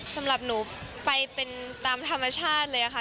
สำหรับหนูไปเป็นตามธรรมชาติเลยค่ะ